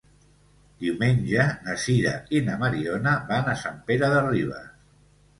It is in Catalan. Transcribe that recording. Diumenge na Sira i na Mariona van a Sant Pere de Ribes.